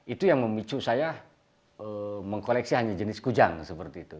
itu yang memicu saya mengkoleksi hanya jenis kujang seperti itu